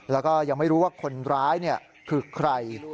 แล้วก็ยังไม่รู้ว่าคนร้ายคือใคร